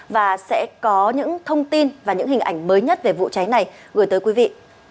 và sẽ có những thông tin và những hình ảnh mới nhất về vụ cháy này gửi tới quý vị